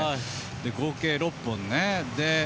合計６本ね。